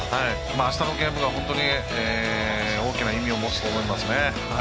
あしたのゲームが本当に大きな意味を持つと思います。